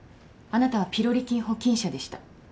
あなたはピロリ菌保菌者でした。